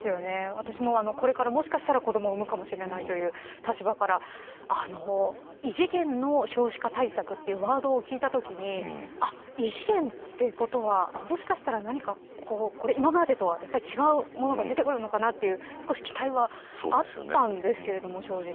私もこれから、もしかしたら子どもを生むかもしれないという立場から異次元の少子化対策というワードを聞いたときに異次元ということはもしかしたら何か今までとは違うものが出てくるのかなという少し期待はあったんですけども正直。